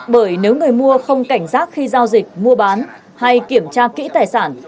bởi nếu người mua không cảnh giác khi giao dịch mua bán hay kiểm tra kỹ tài sản